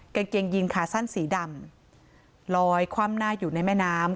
กางเกงยีนขาสั้นสีดำลอยคว่ำหน้าอยู่ในแม่น้ำ